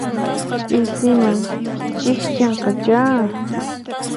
Ch'isiman chikchinqachá.